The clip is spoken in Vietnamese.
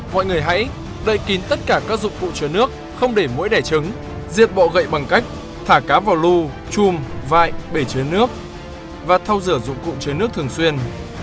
mọi người hãy đậy kín tất cả các dụng cụ chứa nước không để mũi đẻ trứng diệt bọ gậy bằng cách thả cá vào lưu chum vải bể chứa nước và thao rửa dụng cụ chứa nước thường xuyên